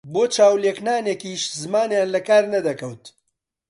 بۆ چاو لێکنانێکیش زمانیان لە کار نەدەکەوت